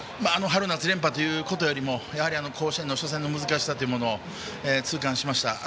春夏連覇ということよりもやはり甲子園の初戦の難しさというものを痛感しました。